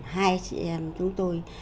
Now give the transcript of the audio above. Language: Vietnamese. hai chị em chúng tôi